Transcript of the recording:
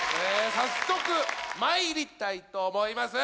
早速参りたいと思います。